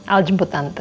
i'll jemput tante